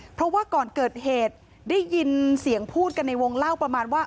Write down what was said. เพราะว่าก่อนเกิดเหตุได้ยินเสียงพูดกันในวงเล่าประมาณว่า